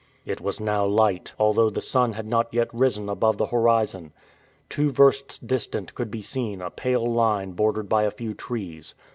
It was now light, although the sun had not yet risen above the horizon. Two versts distant could be seen a pale line bordered by a few trees.